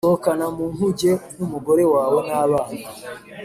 Sohokana mu nkuge n umugore wawe n abana